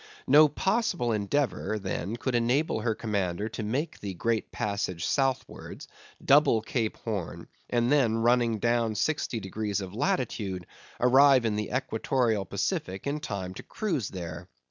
No possible endeavor then could enable her commander to make the great passage southwards, double Cape Horn, and then running down sixty degrees of latitude arrive in the equatorial Pacific in time to cruise there.